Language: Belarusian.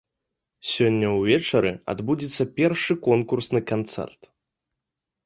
Сёння ўвечары адбудзецца першы конкурсны канцэрт.